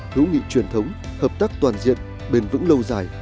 hữu nghị truyền thống hợp tác toàn diện bền vững lâu dài